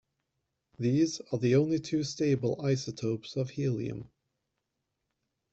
These are the only two stable isotopes of helium.